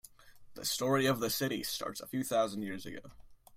The story of the city starts a few thousand years ago.